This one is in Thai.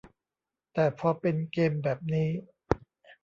แต่พอเป็นเกมแบบนี้